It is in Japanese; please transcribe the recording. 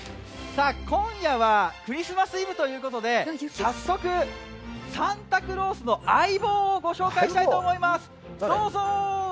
今夜はクリスマスイブということで早速、サンタクロースの相棒をご紹介したいと思います。